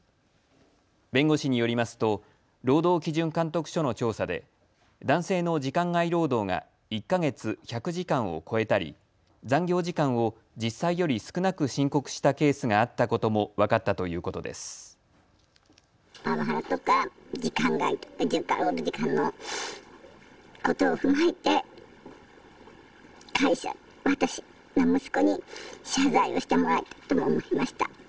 弁護士によりますと労働基準監督署の調査で男性の時間外労働が１か月１００時間を超えたり、残業時間を実際より少なく申告したケースがあったことも分かったということです。